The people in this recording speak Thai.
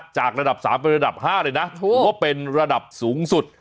จากระดับ๓เป็นระดับ๕เลยนะถือว่าเป็นระดับสูงสุด